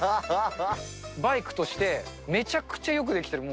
バイクとして、めちゃくちゃよく出来てる。